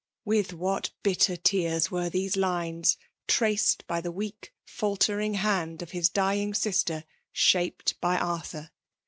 With what bitter tears were these lines^ traced by the weak, faltering hand of his dying sister, shaped by Arthur.